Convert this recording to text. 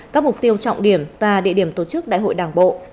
các mục tiêu trọng điểm và địa điểm tổ chức đại hội đảng bộ